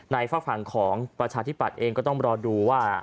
ฝากฝั่งของประชาธิปัตย์เองก็ต้องรอดูว่า